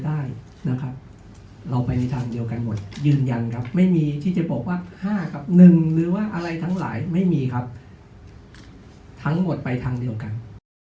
ได้นะครับเราไปในทางเดียวกันหมดยืนยันครับไม่มีที่จะบอกว่า๕กับ๑หรือว่าอะไรทั้งหลายไม่มีครับทั้งหมดไปทางเดียวกัน